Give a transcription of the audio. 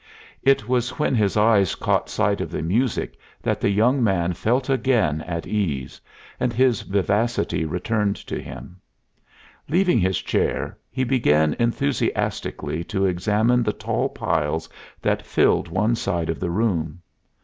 It was when his eyes caught sight of the music that the young man felt again at ease, and his vivacity returned to him. Leaving his chair, he began enthusiastically to examine the tall piles that filled one side of the room.